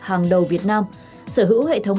hàng đầu việt nam sở hữu hệ thống